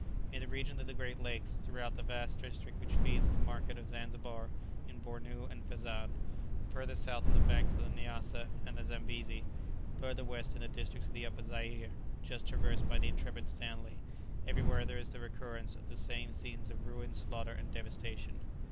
In the region of the great lakes, throughout the vast district which feeds the market of Zanzibar, in Bornu and Fezzan, further south on the banks of the Nyassa and Zambesi, further west in the districts of the Upper Zaire, just traversed by the intrepid Stanley, everywhere there is the recurrence of the same scenes of ruin, slaughter, and devastation.